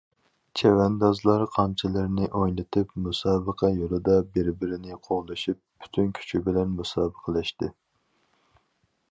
چەۋەندازلار قامچىلىرىنى ئوينىتىپ، مۇسابىقە يولىدا بىر- بىرىنى قوغلىشىپ، پۈتۈن كۈچى بىلەن مۇسابىقىلەشتى.